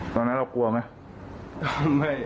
ตอนนั้นเรากลัวไหม